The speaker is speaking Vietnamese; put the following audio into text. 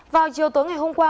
vào chiều tối ngày hôm qua